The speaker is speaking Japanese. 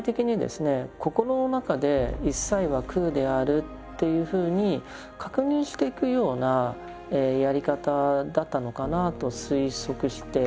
心の中で「いっさいは空である」というふうに確認していくようなやり方だったのかなと推測しています。